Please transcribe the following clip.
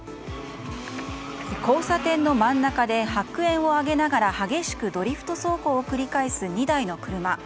交差点の真ん中で白煙を上げながら激しくドリフト走行を繰り返す２台の車。